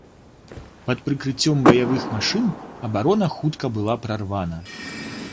Пад прыкрыццём баявых машын абарона хутка была прарвана.